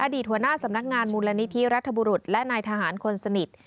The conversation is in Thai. หัวหน้าสำนักงานมูลนิธิรัฐบุรุษและนายทหารคนสนิท